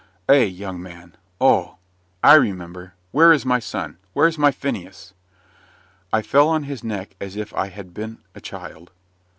"Eh, young man oh! I remember. Where is my son where's my Phineas?" I fell on his neck as if I had been a child.